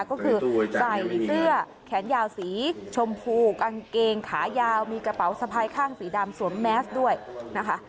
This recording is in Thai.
ก็คือใส่เสื้อแขนยาวสีชมพูกางเกงขายาวมีกระเป๋าสะพายข้างสีดำสวมแมสด้วยนะคะ